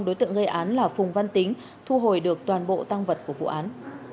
đối tượng gây án là phùng văn tính thu hồi được toàn bộ tăng vật của vụ án